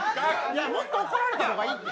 もっと怒られた方がいい。